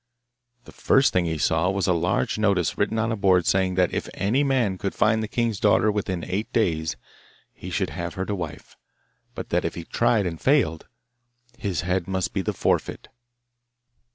The first thing he saw was a large notice written on a board saying that if any man could find the king's daughter within eight days he should have her to wife, but that if he tried and failed his head must be the forfeit.